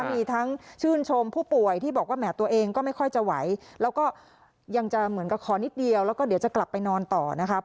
มีทั้งชื่นชมผู้ป่วยที่บอกว่าแหมตัวเองก็ไม่ค่อยจะไหวแล้วก็ยังจะเหมือนกับขอนิดเดียวแล้วก็เดี๋ยวจะกลับไปนอนต่อนะครับ